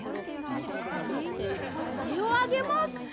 おれいにこれをあげます！